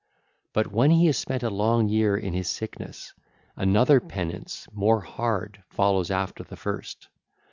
But when he has spent a long year in his sickness, another penance and an harder follows after the first.